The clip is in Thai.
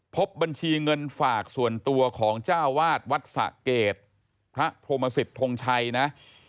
พบบัญชีเงินฝากส่วนตัวของเจ้าวาดวัดสะเกดพระพรหมสิทธงชัยนะ